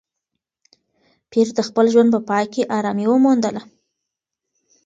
پییر د خپل ژوند په پای کې ارامي وموندله.